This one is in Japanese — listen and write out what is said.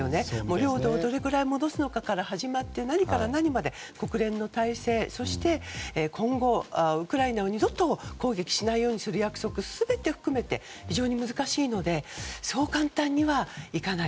領土をどれくらい戻すのかから始まって何から何まで国連の態勢、そして今後ウクライナを二度と攻撃しないようにする約束全て含めて非常に難しいのでそう簡単にはいかない。